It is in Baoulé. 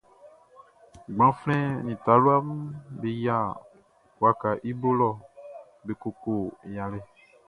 Gbanflɛn nin talua mun be yia wakaʼn i bo lɔ be koko yalɛ.